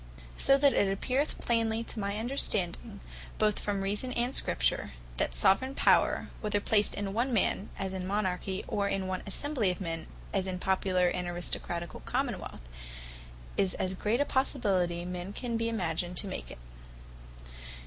Soveraign Power Ought In All Common wealths To Be Absolute So it appeareth plainly, to my understanding, both from Reason, and Scripture, that the Soveraign Power, whether placed in One Man, as in Monarchy, or in one Assembly of men, as in Popular, and Aristocraticall Common wealths, is as great, as possibly men can be imagined to make it.